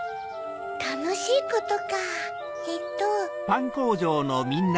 たのしいことかえっと。